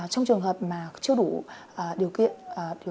trong trường hợp mà chưa đủ điều kiện